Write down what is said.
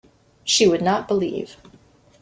She would not believe.